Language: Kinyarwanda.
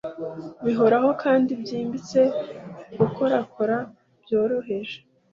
bihoraho kandi byimbitse gukorakora byoroheje